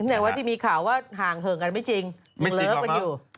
แต่ว่าที่มีข่าวว่าห่างเหินกันไม่จริงยังเลิฟกันอยู่